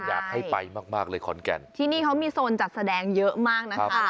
อยากให้ไปมากเลยขอนแก่นที่นี่เขามีโซนจัดแสดงเยอะมากนะคะ